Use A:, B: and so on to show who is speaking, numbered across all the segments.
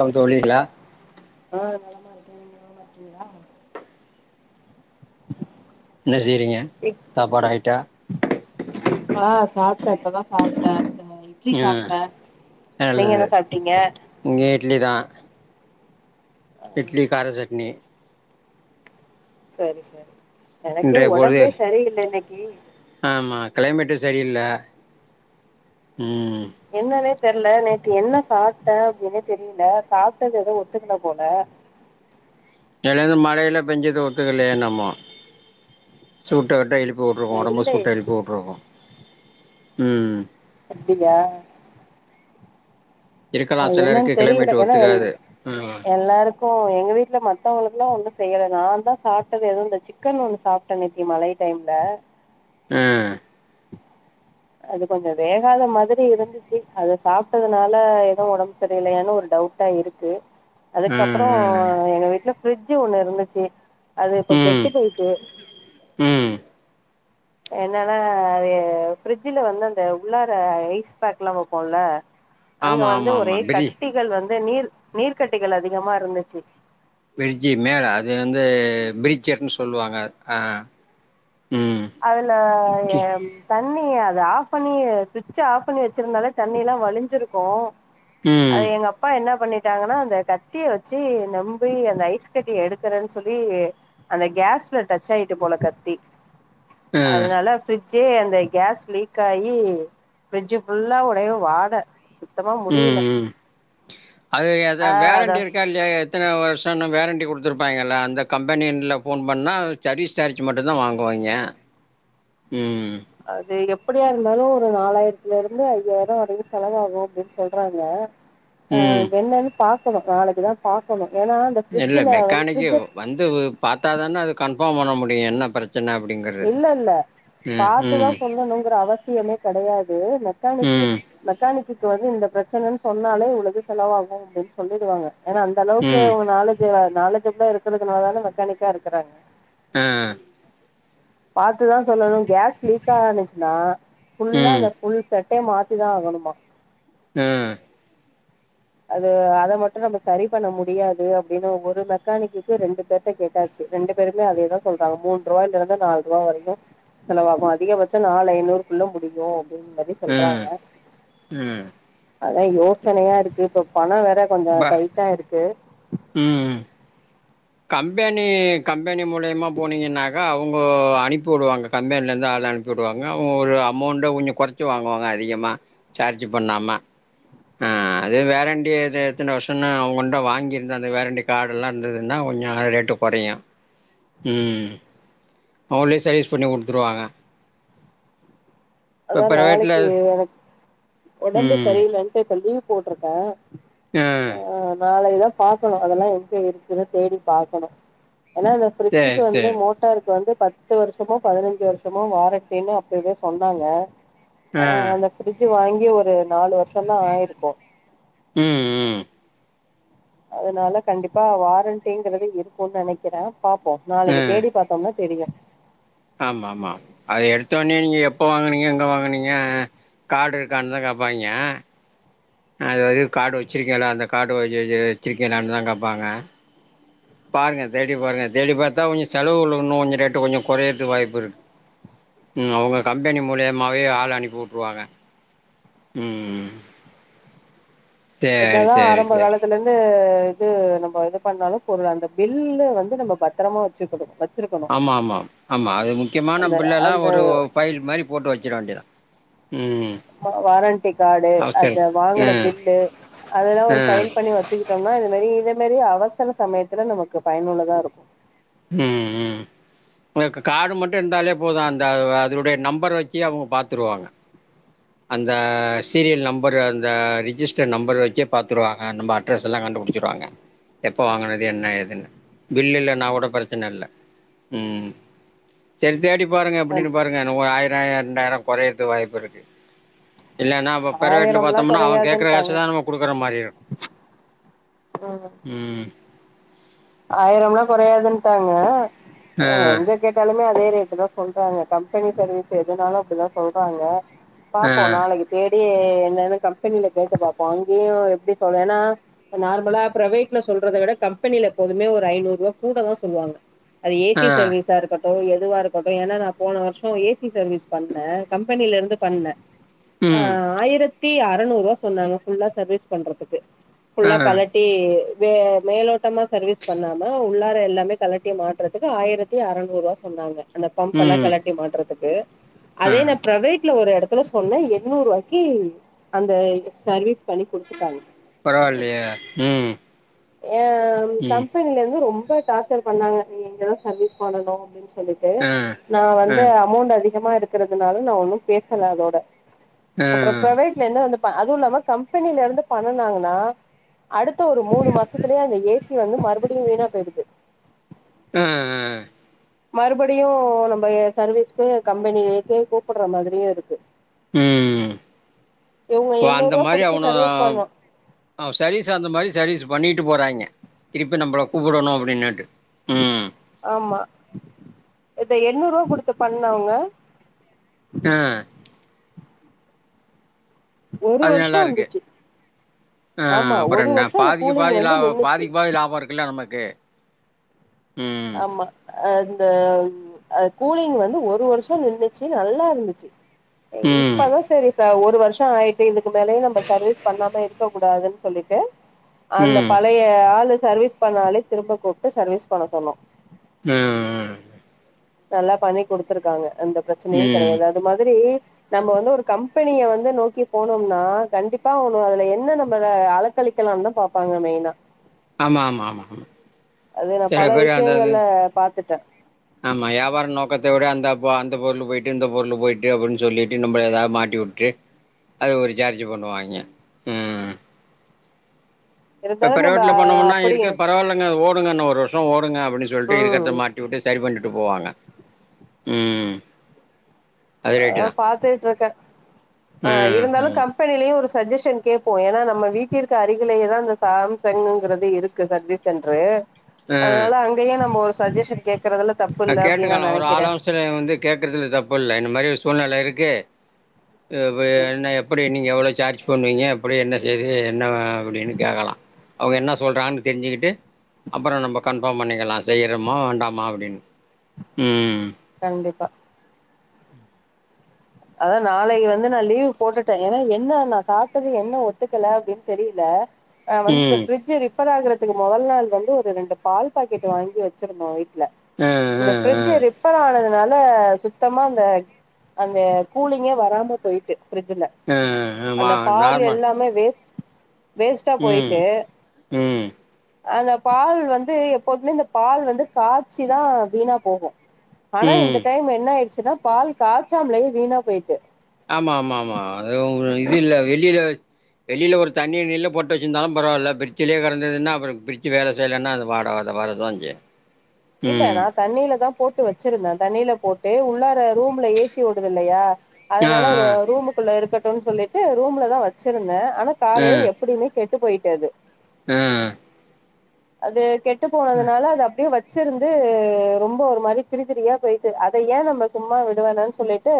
A: வணக்கம் தோழிகளா
B: ஆ நலமா இருக்கேன் நீங்க நலமா இருக் கிங்களா
A: என்ன செய்றிங்க சாப்பாடு ஆயிட்டா
B: சாப்ட்டேன் இப்பதான் சாப்ட்டேன் ஆ இட்லி
A: ம்
B: சாப்ட்டன் நீங்க என்ன சாப்ட்டீங்க
A: இட்லிதா
B: ஆ
A: இட்லி கார சட்ணி
B: சரி சரி எனக்கே
A: இன்றைய பொழுது
B: உடம்பே சரியில்ல இன்னைக்கி
A: ஆமா கிளைமேட்டு சரியில்ல ம்
B: என்னன்னே தெர்ல நேத்து என்ன சாப்ட்ட அப்டின்னே தெரியல சாப்ட்டது எதோ ஒத்துக்கல போல
A: எதாவது மழ கில பெஞ்சது ஒத்துக்கலையா என்னமோ சூட்டக்கட்ட எழுப்
B: ஆ
A: போட்டு்ருக்கும் ஒடம்பு
B: இல்லயே
A: சூட்டேரி போட்டுருக்கும் ம்
B: அப்டியா ஆ
A: இருக்கலாம்
B: என்னான்னு
A: சிலருக்கு
B: தெரியல
A: கிளைமேட்
B: ஏன்னா எ
A: ஒத்துக்காது ம்
B: எல்லாருக்கும் எங்க வீட்ல மத்தவங்களுக்கு லா ஒண்ணு செய்யலதா நான்தா சாப்ட்டது எதுவும் இந்த சிக்கன் ஒண்ணு சாப்ட்டே நேத்தி மழை டைம்ல
A: ம்
B: அது கொஞ்சம் வேகாத மாதிரி இருந்துச்சி அது சாப்ட்டதுனால எதோ ஒடம்பு சரியில்லயானு ஒரு டவுட்டா இருக்கு அதுக்கப்புறோ
A: ம்
B: எங்க வீட்ல பிரிட்ஜு ஒண்ணு இருந்துச்சி அது இப்ப
A: ம்
B: கெட்டு போயிட்டு
A: ம்
B: என்னன்னா அது ஃபிரிட்ஜ்ல வந்து அந்த உள்ளார ஐஸ் பேக்ல்லா வெப்போல்லா அங்க
A: ஆமா
B: வந்து
A: ஆமா ஆமா
B: ஒரே
A: பிரி
B: கட்டிகள் வந்து நீர் நீர்கட்டிகள் அதிகமா இருந்திச்சி
A: பிரிஜி மேல அதுந்து பிரிச்ஜர்ன்னு சொல்லுவாங்க ஆ ம்
B: அதல ஏ த தண்ணி அத ஆஃப்பண்ணி சுவிட்ச ஆஃப்பண்ணி வச்சிருந்தாலே தண்ணியேல்லா வலிஞ்சிருக்கோ
A: ம்
B: அது எங்க அப்பா என்ன பண்ணி ட்டாங்கன்னா அந்த கத்திய வச்சி நம்பி அந்த ஐஸ்கட்டி எடுக்கறே சொல்லி அந்த கேஸ்ல டச்சி ஆயிட்டுபோல கத்தி
A: ஆ
B: அதனால ஃபிரி ச்சே அந்த கேஸ் லீக் ஆயி ஃபிரிட்ஜு ஃபுல்லா ஒரே வாட சுத்தமா முடியல
A: ம்ம் அது எத
B: ஆ அத
A: வேறண்டி இருக்கா இல்லயா எத்தன வருஷன்னு வே வேறண்டி குடுத்துருப்பாங்கல்ல அந்த கம்பெனின்ல்ல போன் பண்ணா சர்வீஸ் சார்ஜ் மட்டுதா வாங்குவாங்கிய ம்
B: அதிகம் ப்பிடியா இருந்தாலு ஒரு நாலாயிரத்துல இருந்து ஐயாயிரோ வரைக்கு செலவாகு அப்பிடின்னு சொல்றாங்க ஆ
A: ம்
B: என்னன்னு பாக் க்கவே நாளைக்குதா பாக்கணு ஏன்னா அந்த
A: இல்ல
B: ஃப்ரிட்ஜுல வந்து
A: மெக்கானிக்கி
B: ஃப்ரிட்ஜ
A: வந்து ஒரு பாத்தான அது கண் பாம் பண்ண முடியு என்ன பிரச்
B: இல்ல இல்ல பாத்துதா
A: ம்
B: சொல்லணுங்கற அவசி சியமே கெடையாது னே மெக்கானிக்கி
A: ம்
B: மெக்கானிக்கி இக்கு வந்து இந்த பிரச்சனன் சொன்னாலே இவ்ளோது செலவாகு அப்பிடின்னு சொல்லிடுவாங்க ஏனா அந்த அளவுக்கு
A: ம்
B: உ நாலஜே வ நாலேஜ் ஃபுல்லா இருக்கிறதுனாலதா மெக்கானிக்கா இருக்கிறாங்க
A: ஆ
B: பாத் த்துதா சொல்லணு கேஸ் லீக்கானிச்சுன்னா ஃபுல்லா
A: ம்
B: ஃபுல்சப் ட்டே மாத்திதா ஆகணுமா
A: ம்
B: அது அத மட்டு நம்ம சரி பண்ண முடியாது அப்டின்னு ஒரு மெக்கானிக்குக்கு ரெண்டு பேர்ட கேட்டாச்சு ரெண்டு பேருமே அதேதா சொல்றாங்க மூன்ருவாய்லருந்து நால்ருவா வரையு செலவாகு அதிகபட்ச நாலு ஐநூறுக்குள்ள முடியு [unintelligible]
A: ம்
B: சொல்றாங்க
A: ம்
B: அதா யோசனையா இரு க்கு இப்ப பண வேற கொஞ்சொ
A: பா
B: டைட்டா இருக்கு
A: ம் கம்பெனி கம்பெனி மூலியமா போனீங்கன்னாக்கா அவுங்க அனுப்பி வுடுவாங்க கம்பெனிலந்து ஆள் அனுப்பிவுடுவாங்க அவுங்க ஒரு அமௌண்ட்ட கொஞ்சொ கொறச்சு வாங்குவாங்க அதிகமா சார்ஜ் பண்ணாம ஆ அது வேரண்டி எத்தன வருஷோன்னு அவுங்கன்ட வாங்கியிருந்தா அந்த வேரண்டி கார்டுல்லா இருந்தது ன்னா கொஞ்சோ ரேட்டு கொறையு ம் அவுங்களே சர்வீஸ் பண்ணி குடுத்துருவாங்க
B: அதா நாளைக்கு எனக் ஒடம்பு
A: ம்
B: சரி இல்லன்ட்டு இப்ப லீவ் போட்ருக்க
A: ஆ
B: நாளைக்கு தா பாக்கனு அதெல்லா எங்க இருக்குன்னு தேடி பாக்கனு ஆனா அந்த
A: சரி
B: ஃபிரிட்ஜுக்கு வந்து
A: சரி
B: மோட்டாருக்கு வந்து பத்து வருஷமோ பதினஞ்சு வருஷமோ வாரண்டினு அப்பவே சொன் னாங்க ஆ அந்த ஃபிரிட்ஜு வாங்கி ஒரு நாலு வருஷொந்தா ஆயிருக்கு
A: ம் ம்
B: அதனால கண்டிப்பா வாரண்ட்டிங்கிறது இருக்குன் நனக்கிறே பாப்போ நாளைக்கு தேடி பாத்தோம்னா தெரியு
A: ஆமாமா அது எடுத்தோனே நீங்க எப்ப வாங்குனீங்க எங்க வாங்குனீங்க கார்டு இருக்கானுதா கேப்பாய்ங்க அதெது கார்டு வச்சிருக்கீங்களா அந்த கார்டு வச்ச வச்சிருக்கீங்களான் தா கேப்பாங்க பாருங்க தேடி பாருங்க தேடி பாத்தா கொஞ்சொ செலவுகள் இன்னு கொஞ்சொ ரேட்டு கொஞ்சொ கொறையறது வாய்ப்பு இருக்கு ம் அவங்க கம்பெனி மூலியமாவே ஆள் அனுப்பி வுட்ருவாங்க ம் ம்
B: என்னதா ஆரம்ப காலத்துலெந்து இது நம்ப இது பண்ணாலு பொருள் அந்த பில்ல வந்து நம்ம பத்திரமா வச்சுக்கனு வச்
A: ஆமாமா ஆமா அது முக்கியமான
B: அந்த
A: பில் எல்லா
B: அந்த
A: ஒரு ஃபைல் மாரி போட்டு வச்சிட வேண்டியதா
B: வாரண்ட்டி கார்டு
A: அவசரம்
B: அத வாங்குன
A: ம்
B: பில்லு அதல்லா ஒரு
A: ம்
B: ஃபைல் பண்ணி வச்சுக்கிட்டம்னா இந்த மாரி இத மாரி அவசர சமயத்துல நமக்கு பயனுள்ளதா இருக்கு
A: ம் ம் க கார்டு மட்டு இருந்தாலே போது அந்த அ அதனுடைய நம்பர் வச்சு அவுங்க பாத்துருவாங்க அந்த சீரியல் நம்பரு அந்த ரிஜிஸ்டர் நம்பரு வச்சே பாத்துருவாங்க நம்ம அட்ரஸ் எல்லா கண்டுபுடுச்சிருவாங்க எப்ப வாங்குனது என்ன எதுன்னு பில் இல்லனா கூட பிரச்சன இல்ல ம் செரி தேடி பாருங்க எப்புடின்னு பாருங்க ன ஒரு ஆயி ராய ரெண்டாயிர கொறையிறத்து வாய்ப்புருக்கு இல்லனா அப்ப பிரைவேட்ல
B: ஆயிரம்லா
A: பாத்தொம்னா அவ கேக்குற
B: கொறையாதுன்ட்டாங்க
A: காசதா நம்ம குடுக்குற மாரி இருக்கு
B: ம்
A: ம்
B: ஆயிரம்லா குறையாதுன் டாங்க
A: ஆ
B: எங்க கேட்டாலுமே அதே ரேட்டு தா சொல் கங்க கம்பெனி சர்வீஸ் எதுனாலு அப்புடிதா சொல்றாங்க
A: ஆ
B: பாப்போம் நாளைக்கு தேடியி என்ன கம்பெனில கேட்டு பாப்போம் அங்கேயு எப்டி சொல் ஏனா நார்மலா பிரவேட்ல சொல்றதை விட கம்பெனில எப்போதுமே ஒரு ஐநூறுவா கூட தா சொல்லுவாங்க அது ஏ சி
A: ஆ
B: சர்வீஸா இருக்கட் எதுவா இருக்கட்டு ஏன்னா நா போன வருஷம் ஏ சி சர்வீஸ் பண்ணே கம்பெனில இருந்து பண்ணே ஆ
A: ம்
B: ஆயிரத் தி அறநூறுவா சொன்னாங்க ஃபுல்லா சர்வீஸ் பண்றதுக்கு
A: ஆ
B: ஃபுல்லா கலட்டி வே மேலோட்டமா சர்வீஸ் பண்ணாம உள்ளார எல்லாமே கலட்டிய மாட்டுறதுக்கு ஆயிரத்தி அறநூறுவா சொன்னாங்க அந்த பம்ப் எல்லா
A: ம்
B: கலட்டி மாட்டுறதுக்கு
A: ஆ
B: அதே நா பிரைவேட் டுல ஒரு எடத்துல சொன்னே எண்ணூறுவாக்கி அந்த சர்வீஸ் பண்ணி குடுத்துட்டாங்க
A: பரவாயில்லையே ம்
B: யாம்
A: ம்
B: கம்பெனில இருந்து ரொம் பா டார்சர் பண்ணாங்க நீங்க இங்கதா சர்வீஸ் பண்ணணு அப்பிடின்ஸ் சொல்லிட்டு
A: ஆ
B: நா
A: ஆ
B: வந்து அமோண்ட் அதிகமாருக் இக்கறதுனால நா ஒன்னு பேசல அதோட
A: ஆ
B: அப்ற பிரவேட்ல இருந்து வந்து அதுவு இல்லாம கம்பெனில இருந்து பண்ணுனாங்கன்னா அடுத்த ஒரு மூணு மாசத்துலயே அந்த ஏ சி சி வந்து மறுபடியும் வீணா போய்டுது
A: ஆ
B: மறுபடியும் நம்ம சர்வீஸ்க்கு கம்பெனிக்கே கூப்புடுற மாதிரியு இருக்கு
A: ம்
B: இவங்க எண்ணூறு
A: அந்த
B: ரூவா
A: மாரி
B: குடுத்து சர்வீஸ் பண்ணோ
A: அவனுவோ சர்வீஸ் அந்த மாரி சர்வீஸ் பண்ணிட்டு போறாயிங்க திருப்பி நம்மள கூப்புடணு அப்பிடின்னுட்டு ம்
B: ஆமா இத எண்ணூறுவா குடுத்து பண்ணவுங்க
A: ஆ
B: ஒரு
A: அது
B: வருஷோ
A: நல்லாருக்கு
B: வந்துச்சு
A: ஆ
B: ஆமா
A: அப்பற
B: ஒரு
A: என்ன
B: வருஷோ அந்த
A: பாதிக்கு
B: கூலிங்
A: பாதி
B: வந்து
A: லாப
B: நின்னுச்சு
A: பாதிக்கு பாதி லாபருக்குல்ல நம்ம க்கே
B: ஆமா அது ந்தம் அ கூலிங் வந்து ஒரு வருஷோ நின்னுச்சு நல்லா இருந்துச்சு
A: ம்
B: இப்பதா சேரி சா ஒர் பத்து வருஷோ ஆயிட்டு இந்த இதுக்கு மேலயு நம்ப சர்வீஸ் பண்ணாம இருக் இருக்க கூடாதுன் சொல்லிட்டு அந்த
A: ம்
B: பழைய ஆலு சர்வீஸ் பண்ணாலே திரும்ப கூப்டு சர்வீஸ் பண்ண சொன்னோ
A: ம்ம்
B: நல்லா பண்ணி குடுத்துருக்காங்க எந்த பிரச்சனையு
A: ம்
B: கெடையாது அது மாதிரி நமமப வந்து ஒரு கம்பெனிய வந்து நோக்கி போனோம்னா கண்டிப்பா அவுனுவ அதுல என்ன நம்மள அலக்களிக்கலான்தா பாப்பாங்க மெய்னா
A: ஆமா ஆமா ஆமா ஆமா
B: அத நா பல விஷ்யங்கள்ல பாத்துட்ட
A: இத விட அந்த ப அந்த பொருளு போயிட்டு இந்த பொருளு போயிட்டு அப்டின் சொல்லிட்டு நம்பள எதாது மாட்டிவுட்டு அது ஒரு சார்ஜு பண்ணுவாங்கே ம் இப்ப
B: இருந்தாலு நம்ம
A: பிரைவேட்ல போண்ணோம்னா
B: அப்படியு
A: இருக்கு பரவால்லங்க ஓக் உடுங்க இன்னு ஒரு வருஷோ ஓடுங்க அப்புடி சொல்லிட்டு இருக்குறத
B: ம்
A: மாட்டிவுட்டு சரி பண்ணி ட்டு போவாங்க ம் அது ரைட்டு
B: ஆ
A: தான்
B: பாத்துட்டுருக்க ஆ
A: ம்
B: இருந்தாலு
A: ம்
B: கம்பெனிலயே ஒருஸ் சஜ்ஜஷன் கேட்போ ஏனா நம்ம வீட்டிற்கு அருகிலேயேதா அந்த சாம்சங்குங்கறது இருக்கு சர்வீஸ் சென்ட்ரு
A: ம்
B: அதனால அங்கயே நம்ப ஒரு சஜ்ஜஷன் கேக்குறதுல தப்
A: ஆ கேட்டுக்கலா ஒரு ஆலோசனை வந்து கேக்குறதுல தப்பு இல்ல இந்த மாரி ஒரு சூழ்நிலை இருக்கு
B: ம்
A: என்ன எப்புடி நீங்க எவ்ளோ சார்ஜ் சொன்னீங்க எப்டி என்ன செய்தி என்ன அப்டினு கேட்கலா அவுங்க என்ன சொல்றாங்ன் தெருஞ்சுக்கிட்டு அப்பறோ நம்ப கன்ஃபார்ம் பண்ணிக்கலா செய்றமா வேண்டாமா அப்டின் ம்
B: கண்டிப்பா
A: ம்
B: அத நாளை வந்து நா லீவ் போட்டுட்ட ஏனா என்ன நா சாப்டது என்ன ஒத்துக்கல அப்டின் தெரில ஆ வந் இந்த
A: ம்
B: ஃப்ரிஜ்ஜு இருக் ரிப்பராகுறதுக்கு மொதல் நாள் வந்து ஒரு ரெண்டு பால் பாக்கெட்டு வாங்கி வெச்சுருந்தோ வீட் ட்ல
A: ம்
B: இந்த
A: ம்
B: ஃப்ரிஜ்ஜு
A: ம்
B: ரிப்பேர் ஆனதுனால் த சுத்தமா அந்த அங்க கூலிங்கே வராம போயிட்டு ஃப்ரிட்ஜேல்ல
A: ம்
B: அந்த
A: ம்
B: பால்
A: நார்மல்
B: எல்லாமே வேஸ்ட் வேஸ்ட்டா
A: ம்
B: போயிட்டு
A: ம்
B: அந்த பால் வந்து எப்போதுமே இந்த பால் வந்து காச்சிதா வீணா போகு ஆனா
A: ம்
B: இந்த டைம் என்ன ஆயிடுச்சு ச்சுனா பால் காச்சாமலையே வீணா போயிட்டு
A: ஆமா ஆமா ஆமா அ இது இல்ல வெளில வெளில ஒரு தண்ணி கிண்ணில போட்டு வெச்சுருந்தாலும் பரவாயில்ல ஃப்ரிட்ஜலியே கெடந்ததுன்னா அப்புறோ ஃப்ரிட்ஜு வேல செய்யலன்னா அது வாட அது வரதா செய்யு
B: இல்ல
A: ம்
B: நா தண்ணீலதா போட்டு வெச்சுருந்த தண்ணியில போட்டு உள்ளார ரூம்ல ஏசி ஓடுது இல்லையா
A: ஆ
B: அதனால
A: ஆ
B: ரூமுக்குள்ள இருக்க க்குனுன் சொல்லிட்டு ரூம்லதா வச்சுருந்த ஆனா
A: ஆ
B: காலைல எப்புடியுமே கெட்டு போயிட் டு அது
A: ஆ
B: அது கெட் ட்டு போனதுனால அது அப்டியே வச் வச்சுருந்து ரொம்ப ஒரு மாரி திரித்திரியா போயிட்டு அத ஏ நம்ம சும்மா விடுவானேன் சொல்லிட்டு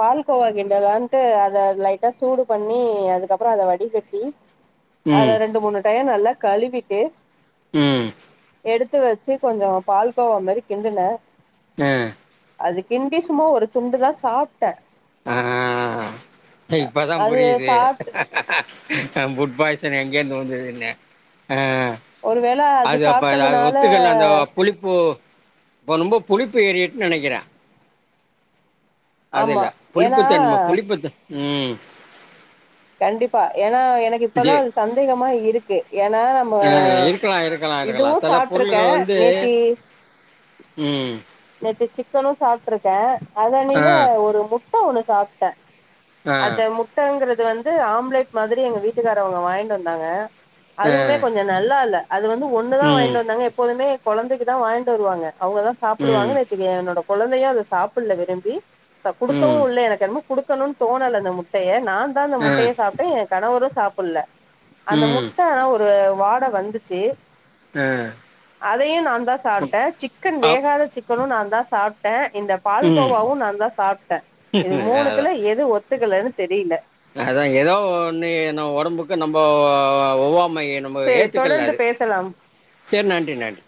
B: பால்கோவா கிண்டலான்ட்டு அத லைட்டா சூடு பண்ணி அதுக்கப்புறோ அத வடிகட்டி அத
A: ம்
B: ரெண்டு மூணு டையோ நல்லா கழுவிட்டு
A: ம்
B: எடுத்து வெச்சு கொஞ்சோ பால்கோவா மாரி கிண்டுன
A: ஆ
B: அது கிண்டி சும்மா ஒரு துண்டுதா சாப்
A: ஆ இப்பதாம்
B: அது
A: புரியுது
B: சாப்ட்டு
A: அ ஃபுட் பாய்சன் எங்கே இருந்து வந்ததுன்னு ஆ
B: ஒருவேல அது
A: அப்ப அது
B: சாப்பிட்டதுனால
A: ஒத்துக்கல அந்த புளிப்பு இப்ப ரொம்போ புளிப்பு ஏறிட்டுன் நெனைக்கிற அதுல்ல
B: ஆமா ஏன்னா
A: புளிப்புத்தண்ம புளிப்புத்த ம் [inaudible]
B: கண்டிப்பா ஏன்னா எனக்கு இப்பதா
A: ஜே
B: அது சந்தேகமா இருக்கு ஏன்னா நம்ம
A: ஆ இருக்கலா இருக்கலா இருக்கலா
B: இதுவு
A: சில
B: சாப்ட்டுருக்கே
A: பொருள்கள் வந்து
B: நேத்தி
A: ம்
B: இது சிக்கனு சாப்ட்டுருக்கே
A: ஆ
B: அதனைல ஒரு முட்ட ஒன்னு சாப்பிட்டே
A: ஆ
B: அது முட்டங்கற அது வந்து ஆம்லெட் மாதிரி எங்க வீட்டுக்காரவுங்க வாங்கிட்டு வந்தாங்க
A: ஆ
B: அதுவுமே கொஞ்ச நல்லா இல்ல அது வந்து ஒண்ணுதா
A: ம்
B: வாங்கிட்டு வந்தாங்க எப்போதுமே கொழந்தைக்கிதா வாங்கிட்டு வருவாங்க அவுங்கதா ப்பிடுவாங்க
A: ம்
B: நேத்திக்கி என்னோட கொழந்தையு அத சாப்புட்ல விரும்பி அ குடுக்கவு
A: ம்
B: இல்ல எனக்கு என்னமோ குடுக்கணுன்னு தோணல அந்த முட்டைய நான்தா அந்த
A: ஆ
B: முட்டைய சாப்ட்டே கணவரு சாப்பட்ல அந்த
A: ம்
B: முட்டை ஒரு வாட வந்துச்சு
A: ஆ
B: அதையு நான்தா சாப்ட்டே சிக்கன்
A: அப்
B: வேகாத அதுவு நான்தா சாப்ட்டே இந்த
A: ம்
B: பால்கோவாவு நான்தா சாப்ட்டே இது
A: அதா
B: மூணுத்துல எது ஒத் துக்கலன்னு தெரியல
A: அதா எதோ ஒன்னு நம்ப ஒடம்புக்கு நம்போ ஒவ்வா மைய நம்ம
B: சேரி
A: ஏத்துக்கல
B: தொடர்ந்து
A: அது
B: பேசலாம்
A: செரி நன்றி நன்றி